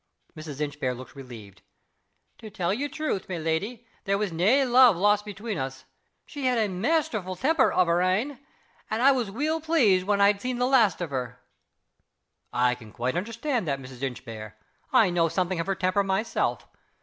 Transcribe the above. Mrs. Inchbare looked relieved. "To tell ye truth, my leddy, there was nae love lost between us. She had a maisterfu' temper o' her ain and I was weel pleased when I'd seen the last of her." "I can quite understand that, Mrs. Inchbare I know something of her temper myself.